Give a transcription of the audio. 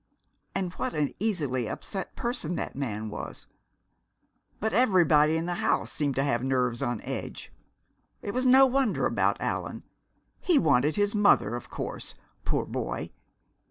And what an easily upset person that man was! But everybody in the house seemed to have nerves on edge. It was no wonder about Allan he wanted his mother, of course, poor boy!